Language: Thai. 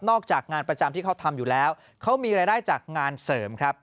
จากงานประจำที่เขาทำอยู่แล้วเขามีรายได้จากงานเสริมครับ